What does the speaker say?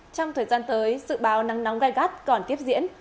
trong thời gian tới sự báo nắng nóng gai gắt còn tiếp diễn